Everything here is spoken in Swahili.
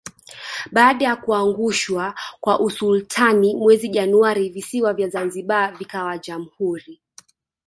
Baada ya kuangushwa kwa usultani mwezi Januari visiwa vya zanzibar vikawa Jamhuri